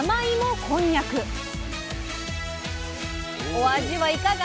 お味はいかが？